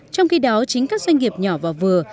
trong khi đó chính các doanh nghiệp nhỏ và vừa